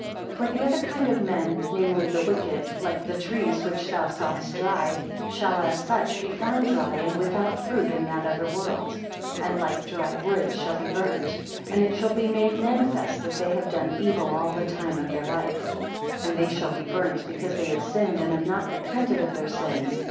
4 For the other kind of men, namely the wicked, like the trees which thou rawest dry, shall, as such, be found dry and without fruit in that other world; and like dry wood shall be burnt; and it shall be made manifest that they have done evil all the time of their life; 5 And they shall be burnt because they have sinned and have not repented of their sins.